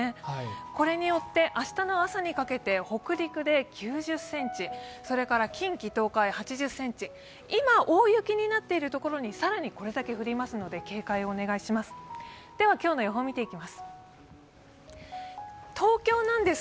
これによって明日の朝にかけて北陸で９０ｃｍ、それから近畿、東海８０ｃｍ今、大雪になっているところに更にこれだけ降りますので警戒をお願いします。